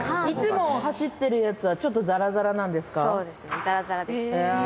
いつも走ってるやつはちょっとザラザラなんですか？